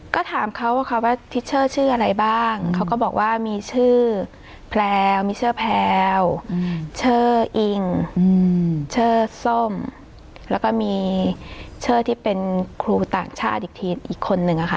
ก็ถามเขาว่าเขาว่าทิชเชอร์ชื่ออะไรบ้างเขาก็บอกว่ามีชื่อแพลวมีชื่อแพลวชื่ออิงชื่อส้มแล้วก็มีชื่อที่เป็นครูต่างชาติอีกทีอีกคนนึงอะค่ะ